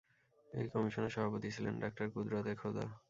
এই কমিশনের সভাপতি ছিলেন ডাক্তারকুদরাত-এ-খুদা।